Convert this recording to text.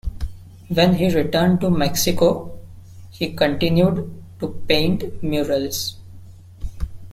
When he returned to Mexico, he continued to paint murals.